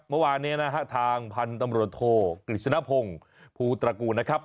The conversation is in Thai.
เมื่อวานนี้ทางพันธมรตโธกฤษณพงศ์ภูตระกูลนะครับ